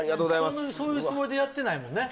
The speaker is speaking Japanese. そんなにそういうつもりでやってないもんね